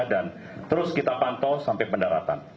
dan terus kita pantau sampai pendaratan